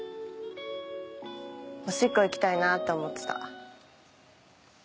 おしっこ行きたいなって思ってた。